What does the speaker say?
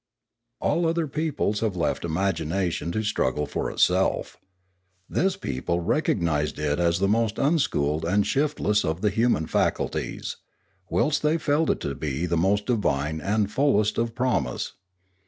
All other peoples have left imagination to struggle for itself. This people recognised it as the most un schooled and shiftless of the human faculties, whilst they felt it to be the most divine and fullest of promise.